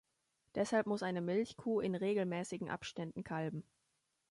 Deshalb muss eine Milchkuh in regelmäßigen Abständen kalben.